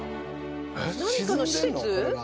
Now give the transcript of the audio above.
何かの施設？